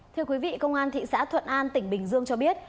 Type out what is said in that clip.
thưa quý vị công an thị xã thuận an tỉnh bình dương cho biết